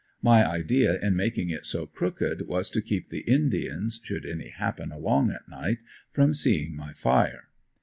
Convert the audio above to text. My idea in making it so crooked was, to keep the indians, should any happen along at night, from seeing my fire.